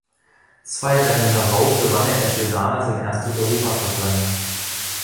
Zwei Rennen darauf gewann er in Cesana sein erstes Europacup-Rennen.